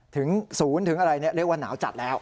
ถึงศูนย์ถึงอะไรเรียกว่าหนาวจัดแล้ว